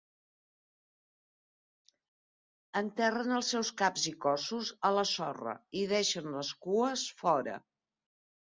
Enterren els seus caps i cossos a la sorra i deixen les cues fora.